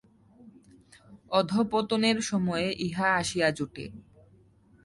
অধঃপতনের সময়ে ইহা আসিয়া জোটে।